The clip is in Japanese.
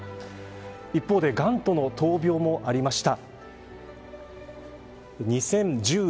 一方でがんとの闘病もありました。